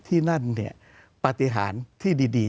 ที่นั่นเนี่ยปฏิหารที่ดี